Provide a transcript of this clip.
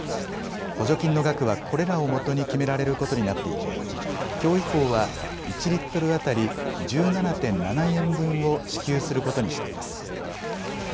補助金の額はこれらをもとに決められることになっていてきょう以降は１リットル当たり１７．７円分を支給することにしています。